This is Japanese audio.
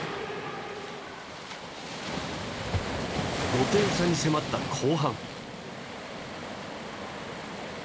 ５点差に迫った後半。